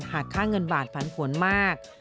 หากค่าเงินบาทผันผวนมาก